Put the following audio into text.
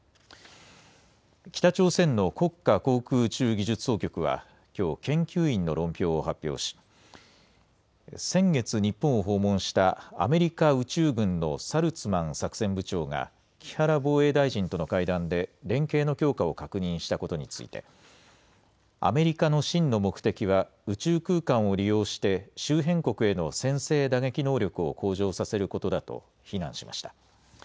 北朝鮮の国家航空宇宙技術総局はきょう研究員の論評を発表し先月、日本を訪問したアメリカ宇宙軍のサルツマン作戦部長が木原防衛大臣との会談で連携の強化を確認したことについてアメリカの真の目的は宇宙空間を利用して周辺国への先制打撃能力を向上させることだと非難しました。